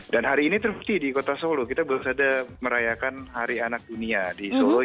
dan hari ini terbukti di kota solo kita belum sedang merayakan hari anak dunia di solo ya